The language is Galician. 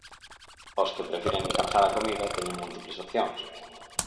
Os que prefiren encargar a comida teñen múltiples opcións.